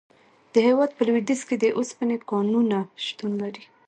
د هیواد په لویدیځ کې د اوسپنې کانونه شتون لري.